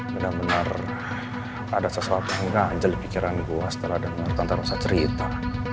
benar benar ada sesuatu yang gak ajal di pikiran gue setelah denger tante rusa cerita